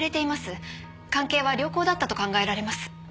関係は良好だったと考えられます。